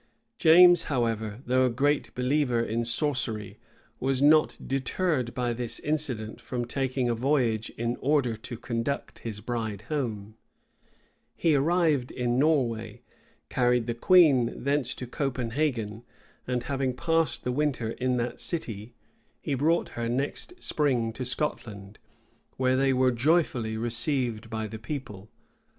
[*] James, however, though a great believer in sorcery, was not deterred by this incident from taking a voyage in order to conduct his bride home: he arrived in Norway; carried the queen thence to Copenhagen: and having passed the winter in that city, he brought her next spring to Scotland, where they were joyfully received by the people.